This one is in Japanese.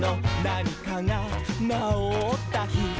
「なにかがなおったひ」